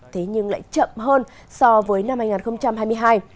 thế nhưng lại chậm hơn so với năm hai nghìn hai mươi hai